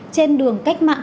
trên đường cách mạng